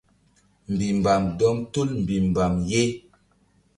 Mbih mbam dɔm tul mbihmbam ye.